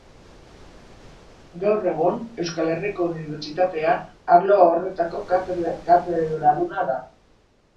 Gaur egun Euskal Herriko Unibertsitatean arlo horretako katedraduna da.